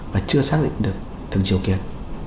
và chưa xác định được từng chiều kiến